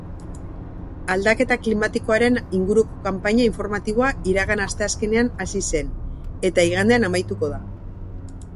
Aldaketa klimatikoaren inguruko kanpaina informatiboa iragan asteazkenean hasi zen eta igandean amaituko da.